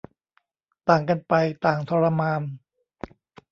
ต่างกันไป ต่างทรมาน